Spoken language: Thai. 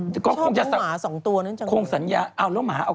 ชอบโลกหมาสองตัวนั้นจังเลย